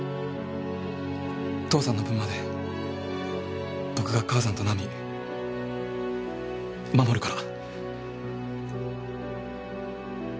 父さんの分まで僕が母さんと奈美守るから。